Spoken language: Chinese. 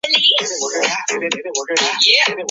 玛君龙亚科是阿贝力龙科下的一个亚科。